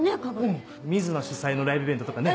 うん瑞奈主催のライブイベントとかね